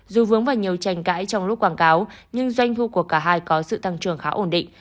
dù vướng vào nhiều tranh cãi trong lúc quảng cáo nhưng doanh thu của cả hai có sự tăng trưởng khá ổn định